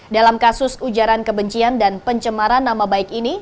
dalam kasus ujaran kebencian dan pencemaran nama baik ini